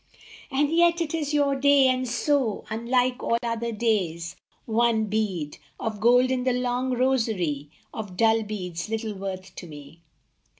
And yet it is your day, and so, Unlike all other days, one bead Of gold in the long rosary Of dull beads little worth to me.